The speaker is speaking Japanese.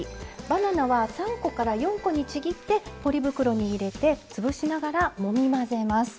バナナは３個から４個にちぎってポリ袋に入れて潰しながらもみ混ぜます。